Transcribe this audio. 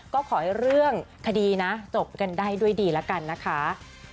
ก็ขอให้เรื่องคดีนะจบกันได้ด้วยดีแล้วกันนะคะ